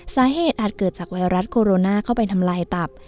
สาเหตุอาจเกิดจากไวรัสโคโรนาเข้าไปทำลายตับ